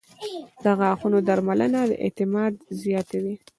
• د غاښونو درملنه د اعتماد زیاتوي.